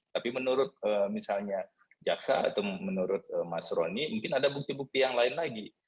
tapi menurut misalnya jaksa atau menurut mas roni mungkin ada bukti bukti yang lain lagi